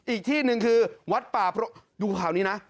อีกที่นึงคือวัดปลาดูเผ่านี้นะ